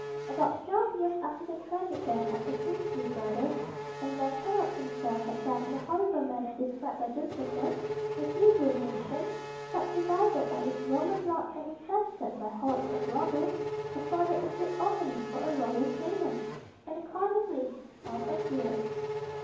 About twelve years after the tragic death of the princely brothers, and when Herod himself had died in the horrible manner described by Josephus, the Hebrew nation, subdivided by its Roman lord, and infested by hordes of robbers, afforded a good opening for a royal claimant; and accordingly one appeared.